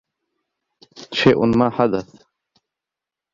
شيء ما حدث.